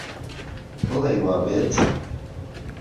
بڵەی وابێت